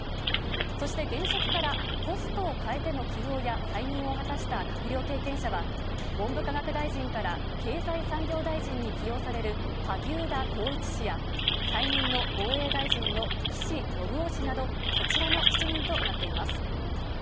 そして現職からポストを替えての起用や再任を果たした閣僚経験者は、文部科学大臣から経済産業大臣に起用される萩生田光一氏や、再任の防衛大臣の岸信夫氏など、こちらの７人となっています。